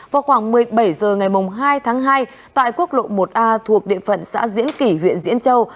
vào khoảng một mươi bảy h ngày hai tháng hai tại quốc lộ một a thuộc địa phận xã diễn kỷ huyện diễn châu